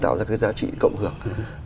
tạo ra cái giá trị cộng hưởng